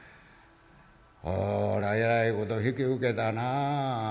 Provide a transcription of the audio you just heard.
こりゃえらいこと引き受けたな。